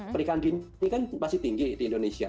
perikan dini kan masih tinggi di indonesia